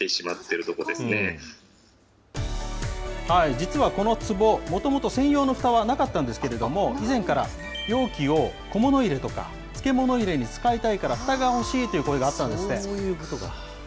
実はこのつぼ、もともと専用のふたはなかったんですけれども、以前から容器を小物入れとか、漬物入れに使いたいから、ふたが欲しいという声があったんですっそういうことか。